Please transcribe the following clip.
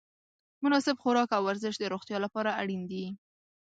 مناسب خوراک او ورزش د روغتیا لپاره اړین دي.